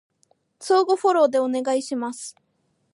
相互フォローでお願いします